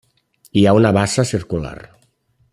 Hi ha una bassa circular.